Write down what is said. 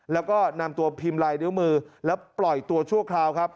และก็นำตัวพิมพ์ไลน์เรียวมือและปล่อยตัวชั่วคราวครับ